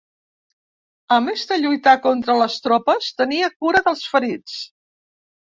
A més de lluitar contra les tropes, tenia cura dels ferits.